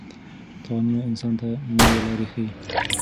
تاوانونه انسان ته نوې لارې ښيي.